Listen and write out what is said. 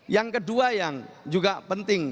yang kedua yang juga penting